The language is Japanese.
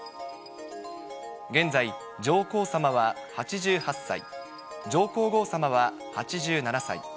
現在、上皇さまは８８歳、上皇后さまは８７歳。